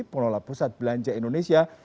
pengelola pusat belanja indonesia